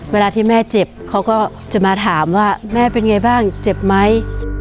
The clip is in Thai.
เวลาที่แม่เจ็บเขาก็จะมาถามว่าแม่เป็นไงบ้างเจ็บไหม